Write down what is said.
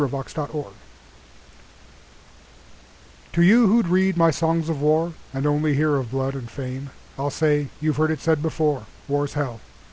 A Dead Boche TO you who'd read my songs of WarAnd only hear of blood and fame, I'll say (you've heard it said before)"War's Hell!"